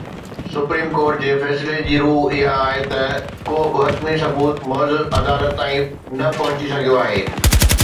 Supreme court جي فيصلي جي روح اها آهي ته ڪو به حتمي ثبوت معزز عدالت تائين نه پهچي سگهيو آهي.